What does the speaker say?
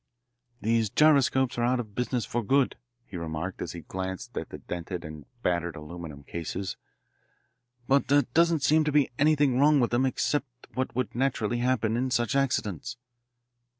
"These gyroscopes are out of business for good," he remarked as he glanced at the dented and battered aluminum cases. "But there doesn't seem to be anything wrong with them except what would naturally happen in such accidents."